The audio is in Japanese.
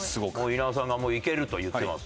稲田さんがもういけると言ってます。